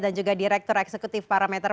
dan juga direktur eksekutif parameter